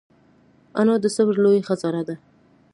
انا د صبر لویه خزانه ده